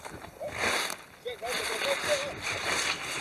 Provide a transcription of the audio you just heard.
嘉庆君游台湾是台湾的民间故事。